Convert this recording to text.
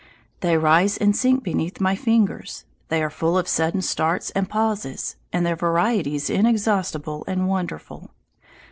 They rise and sink beneath my fingers, they are full of sudden starts and pauses, and their variety is inexhaustible and wonderful.